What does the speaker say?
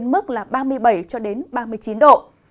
mức là ba mươi bảy cho đến ba mươi chín độ